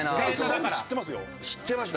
全部知ってますよ。